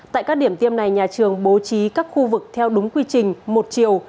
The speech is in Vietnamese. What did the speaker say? tại các điểm tiêm này nhà trường bố trí các khu vực theo đúng quy trình một chiều